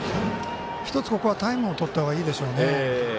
１つ、ここはタイムをとったほうがいいでしょうね。